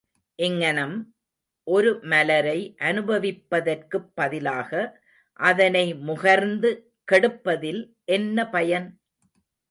இங்ஙணம் ஒரு மலரை அனுபவிப்பதற்குப் பதிலாக அதனை முகர்ந்து கெடுப்பதில் என்ன பயன்?